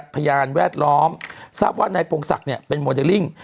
พยานแวดล้อมทราบว่านายพงศักดิ์เนี่ยเป็นโมเดลลิ่ง